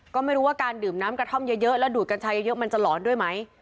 ก็ไม่รู้ว่าการดื่มน้ำกระท่อมเยอะแล้วดูดกัญชาเยอะมันจะหลอนด้วยไหม